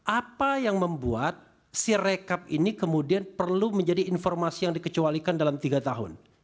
apa yang membuat si rekap ini kemudian perlu menjadi informasi yang dikecualikan dalam tiga tahun